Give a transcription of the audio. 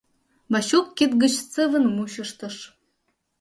Вачук кид гыч сывын мучыштыш.